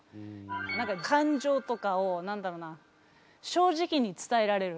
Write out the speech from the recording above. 何か感情とかを何だろうな正直に伝えられる。